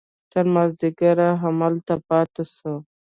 تر مازديګره هملته پاته سو.